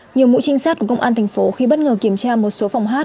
nhiều mũi trinh sát của công an tp khi bất ngờ kiểm tra một số phòng hát